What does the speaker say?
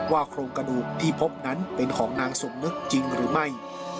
โครงกระดูกที่พบนั้นเป็นของนางสมนึกจริงหรือไม่